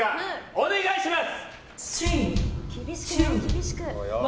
お願いします！